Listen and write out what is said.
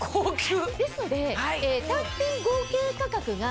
ですので。